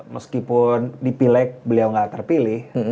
meskipun di pilek beliau gak terpilih